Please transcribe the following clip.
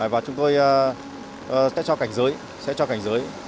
và chúng tôi sẽ cho cảnh giới sẽ cho cảnh giới